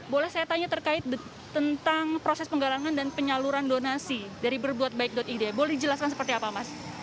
boleh saya tanya terkait tentang proses penggalangan dan penyaluran donasi dari berbuatbaik id boleh dijelaskan seperti apa mas